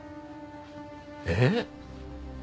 えっ？